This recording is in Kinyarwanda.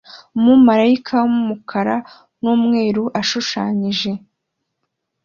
Umumarayika wumukara numweru ashushanyije